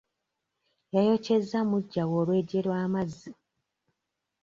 Yayokyezza mujjawe olwejje lw'amazzi.